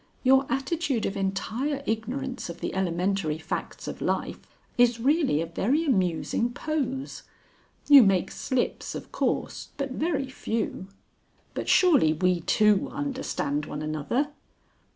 Your attitude of entire ignorance of the elementary facts of Life is really a very amusing pose. You make slips of course, but very few. But surely we two understand one another."